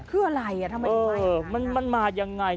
คืออะไรทำไมมีไข้นักค่ะมันมายังไง